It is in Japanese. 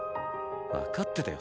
わかってたよ